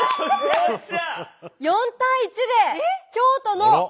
よっしゃ！